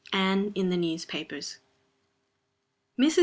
ANNE IN THE NEWSPAPERS. MRS.